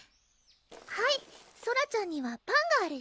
はいソラちゃんにはパンがあるよ